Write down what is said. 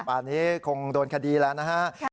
ป่านี้คงโดนคดีแล้วนะฮะ